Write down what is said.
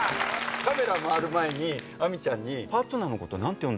カメラ回る前に亜美ちゃんに「パートナーのこと何て呼んだらいいですか？」